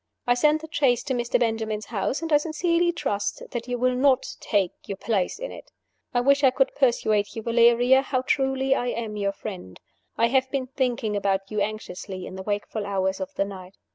"I send the chaise to Mr. Benjamin's house; and I sincerely trust that you will not take your place in it. I wish I could persuade you, Valeria, how truly I am your friend. I have been thinking about you anxiously in the wakeful hours of the night.